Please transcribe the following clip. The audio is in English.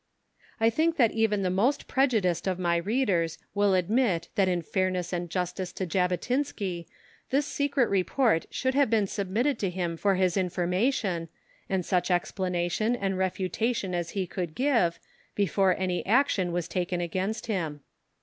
I think that even the most prejudiced of my readers will admit that in fairness and justice to Jabotinsky this secret report should have been submitted to him for his information, and such explanation and refutation as he could give, before any action was taken against him.